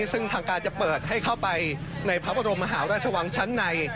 ซึ่งทางการจะเปิดให้เข้าไปในพระบรมมหาราชวังชั้นใน